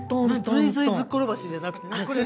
ずいずいずっころばしじゃなくてこれ。